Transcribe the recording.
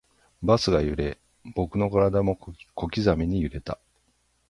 バスが揺れ、僕の体も小刻みに揺れた